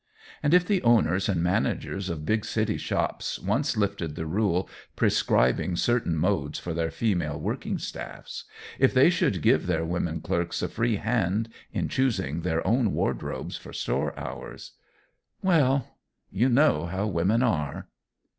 And if the owners and managers of big city shops once lifted the rule prescribing certain modes for their female working staffs if they should give their women clerks a free hand in choosing their own wardrobes for store hours well, you know how women are!